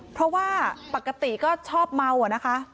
เพราะว่าปกติก็ชอบเมาอะนะคะ